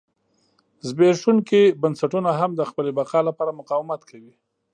زبېښونکي بنسټونه هم د خپلې بقا لپاره مقاومت کوي.